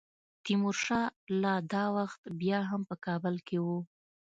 تیمورشاه لا دا وخت بیا هم په کابل کې وو.